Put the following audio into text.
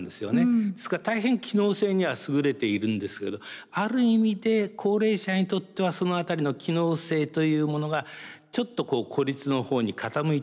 ですから大変機能性には優れているんですけどある意味で高齢者にとってはその辺りの機能性というものがちょっとこう孤立の方に傾いてしまうっていうところがあるのかも。